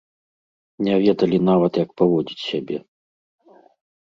Не ведалі нават, як паводзіць сябе.